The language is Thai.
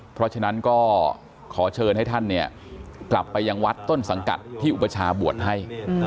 เพราะฉะนั้นก็ขอเชิญให้ท่านกลับไปยังวัดต้นสังกัดที่อุปชาบวชให้